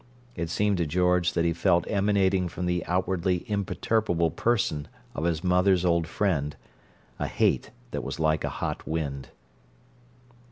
It seemed to George that he felt emanating from the outwardly imperturbable person of his mother's old friend a hate that was like a hot wind.